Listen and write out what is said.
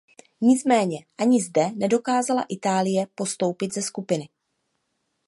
Nicméně ani zde nedokázala Itálie postoupit ze skupiny.